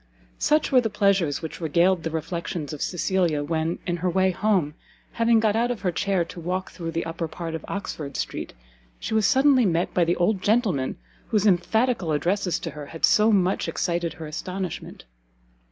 Such were the pleasures which regaled the reflections of Cecilia when, in her way home, having got out of her chair to walk through the upper part of Oxford Street, she was suddenly met by the old gentleman whose emphatical addresses to her had so much excited her astonishment.